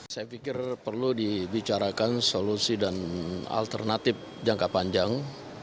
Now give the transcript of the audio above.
saya pikir perlu dibicarakan solusi dan alternatif jangka panjang